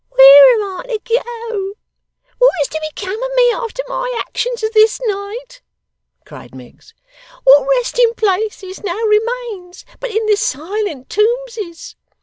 'Where am I to go? What is to become of me after my actions of this night!' cried Miggs. 'What resting places now remains but in the silent tombses!